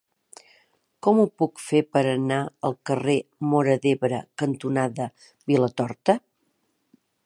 Com ho puc fer per anar al carrer Móra d'Ebre cantonada Vilatorta?